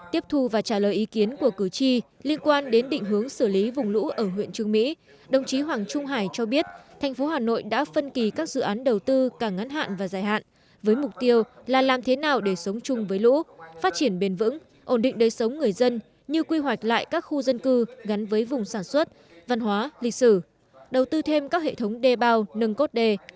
tiếp thu và trả lời ý kiến của cử tri liên quan đến định hướng xử lý vùng lũ ở huyện trường mỹ đồng chí hoàng trung hải cho biết thành phố hà nội đã phân kỳ các dự án đầu tư càng ngắn hạn và dài hạn với mục tiêu là làm thế nào để sống chung với lũ phát triển bền vững ổn định đời sống người dân như quy hoạch lại các khu dân cư gắn với vùng sản xuất văn hóa lịch sử đầu tư thêm các hệ thống đe bao nâng cốt đề